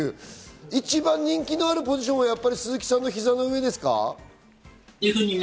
一番人気のあるポジションはやっぱり鈴木さんの膝の上ですか？